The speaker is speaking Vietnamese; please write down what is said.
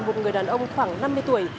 một người đàn ông khoảng năm mươi tuổi